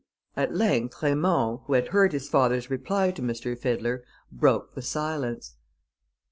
At length Raymond, who had heard his father's reply to M. Fiddler, broke the silence.